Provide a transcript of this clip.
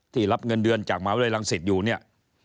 รับเงินเดือนจากมหาวิทยาลัยรังสิตอยู่เนี่ย